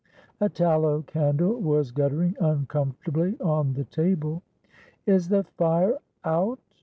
A tallow candle was guttering uncomfortably on the table. "Is the fire out?